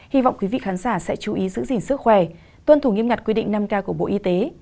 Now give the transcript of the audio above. hy vọng quý vị khán giả sẽ chú ý giữ gìn sức khỏe tuân thủ nghiêm ngặt quy định năm k của bộ y tế